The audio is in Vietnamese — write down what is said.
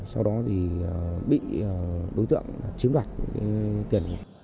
sau đó thì bị đối tượng chiếm đoạt tiền